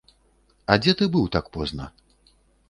А дзе ты быў так позна?